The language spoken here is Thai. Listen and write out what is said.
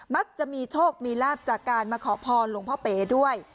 มักจะมีโชคมีลาบจากการมาขอพรหลวงพ่อเป๋ด้วย